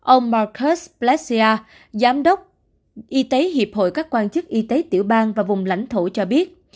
ông markets plasia giám đốc y tế hiệp hội các quan chức y tế tiểu bang và vùng lãnh thổ cho biết